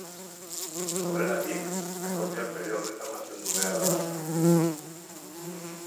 Horregatik, akordioak bere horretan mantendu beharra dauka.